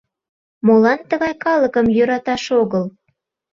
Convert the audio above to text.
Молан тыгай калыкым йӧраташ огыл?